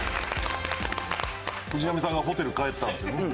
藤波さんがホテル帰ったんですよね。